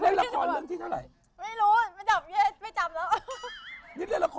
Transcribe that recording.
เล่นละครเรื่องที่เท่าไหร่